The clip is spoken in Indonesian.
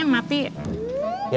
mau kayak ona deh